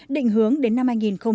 định hướng đến năm hai nghìn hai mươi